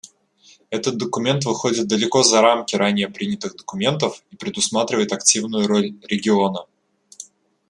Этот документ выходит далеко за рамки ранее принятых документов и предусматривает активную роль региона.